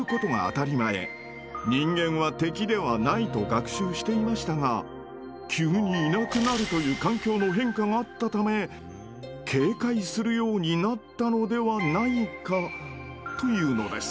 「人間は敵ではない」と学習していましたが「急にいなくなる」という環境の変化があったため警戒するようになったのではないかというのです。